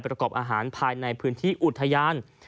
ประกอบอาหารภายในพื้นที่อุทยาน